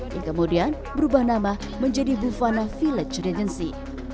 yang kemudian berubah nama menjadi bufana village digency